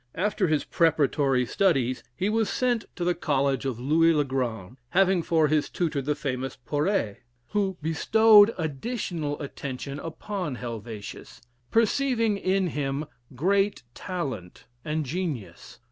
After his preparatory studies, he was sent to the College of Louis le Grand, having for his tutor the famous Poree, who bestowed additional attention upon Heivetius, perceiving in him great talent and genius.